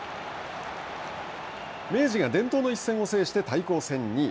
明治が伝統の一戦を制して対抗戦２位。